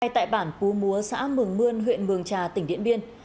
ngay tại bản cú múa xã mường mươn huyện mường trà tỉnh điện biên